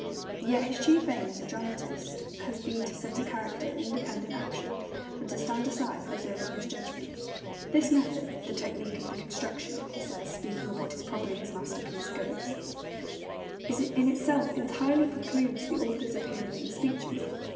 Yet his chief aim as a dramatist has been to set character in independent action, and to stand aside, reserving his judgment. 'The method, the technique of the construction,' he says, speaking of what is probably his masterpiece, Ghosts, 'in itself entirely precludes the author's appearing in the speeches.